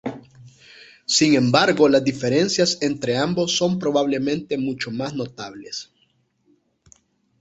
Sin embargo, las diferencias entre ambos son probablemente mucho más notables.